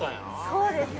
◆そうですよ。